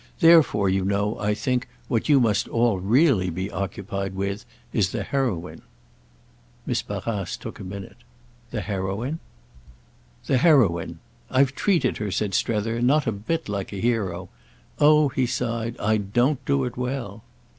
Therefore, you know, I think, what you must all really be occupied with is the heroine." Miss Barrace took a minute. "The heroine?" "The heroine. I've treated her," said Strether, "not a bit like a hero. Oh," he sighed, "I don't do it well!"